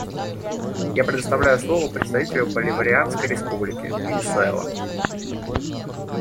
Я предоставляю слово представителю Боливарианской Республики Венесуэла.